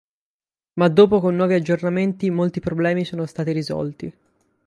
Ma dopo con nuovi aggiornamenti molti problemi sono stati risolti.